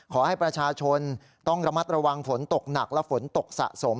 ขอให้ประชาชนต้องระมัดระวังฝนตกหนักและฝนตกสะสม